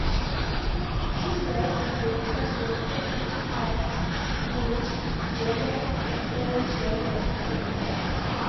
His works have been translated into French, English, German, Norwegian and Finnish.